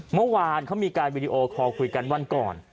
เมื่อวานเขามีการวิดีโอคอลคุยกันวันก่อน